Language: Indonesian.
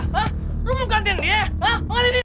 hah lo mau gantin dia hah lo gak gantin dia